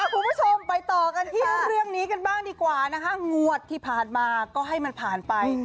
คุณผู้ชมไปต่อกันที่เรื่องนี้กันบ้างดีกว่านะคะงวดที่ผ่านมาก็ให้มันผ่านไป